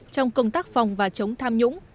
trong công tác phòng và chống tham nhũng